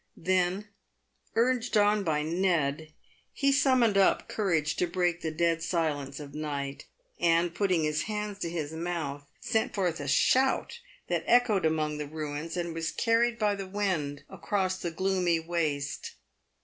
Then, urged on by Ned, he summoned up courage to break the dead silence of night, and, putting his hands to his mouth, sent forth a shout that echoed among the ruins, and was car ried by the wind across the gloomy waste.